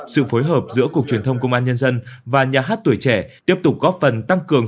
sự phối hợp giữa cục truyền thông công an nhân dân và nhà hát tuổi trẻ tiếp tục góp phần tăng cường